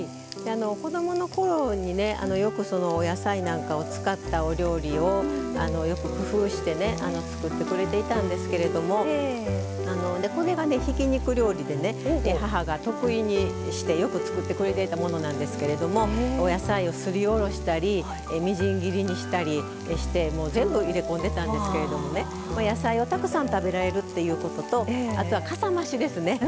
子どものころによく野菜なんかを使ったお料理をよく工夫して作ってくれていたんですけどもこれが、ひき肉料理で母が得意にしてよく作ってくれていたものでお野菜をすり下ろしたりみじん切りにしたりして全部入れ込んでたんですけど野菜をたくさん食べられるということとあとは、かさ増しですね。